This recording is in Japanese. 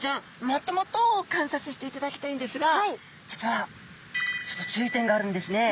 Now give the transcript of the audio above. もっともっと観察していただきたいんですが実はちょっと注意点があるんですね。